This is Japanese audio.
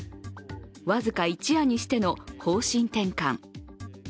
僅か一夜にしての方針転換。